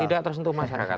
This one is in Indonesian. tidak tersentuh masyarakat